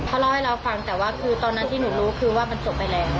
เขาเล่าให้เราฟังแต่ว่าคือตอนนั้นที่หนูรู้คือว่ามันจบไปแล้ว